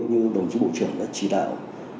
như đồng chí bộ trưởng đã chỉ đạo